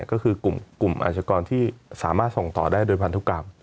ก็คือกลุ่มอาชกรที่สามารถส่งต่อได้โดยพันธุกรรม